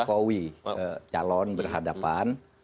jokowi calon berhadapan